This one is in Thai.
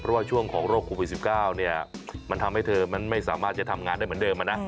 เพราะว่าช่วงของโรคโควิด๑๙มันทำให้เธอมันไม่สามารถจะทำงานได้เหมือนเดิมนะ